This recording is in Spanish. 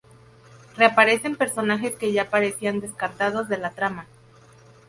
Reaparecen personajes que ya parecían descartados de la trama.